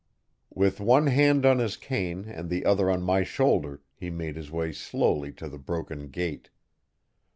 With one hand on his cane and the other on my shoulder he made his way slowly to the broken gate.